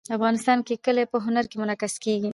افغانستان کې کلي په هنر کې منعکس کېږي.